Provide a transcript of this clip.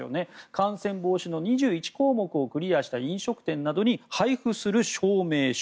感染防止の２１項目をクリアした飲食店などに配布する証明書。